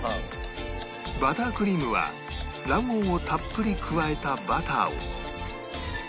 バタークリームは卵黄をたっぷり加えたバターを